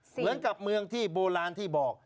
เหมือนกับเมืองที่โบราณที่บอก